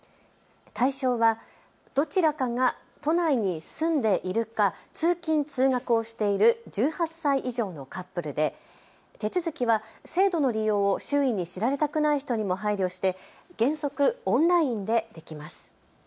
対象はどちらかが都内に住んでいるか、通勤通学をしている１８歳以上のカップルで手続きは制度の利用を周囲に知られたくない人にも配慮して原則、オンラインでできます。